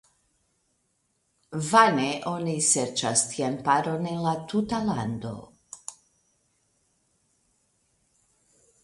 Vane oni serĉas tian paron en la tuta lando.